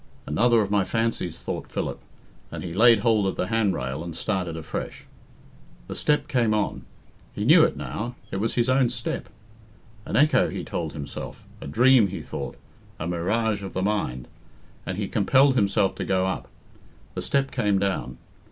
"Another of my fancies," thought Philip; and he laid hold of the handrail, and started afresh. The step came on. He knew it now; it was his own step. "An echo," he told himself. "A dream," he thought, "a mirage of the mind;" and he compelled himself to go up. The step came down.